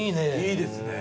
いいですね。